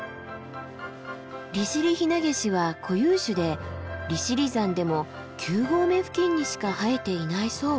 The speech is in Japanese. リシリヒナゲシは固有種で利尻山でも９合目付近にしか生えていないそう。